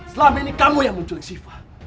selama ini kamu yang menculik sifah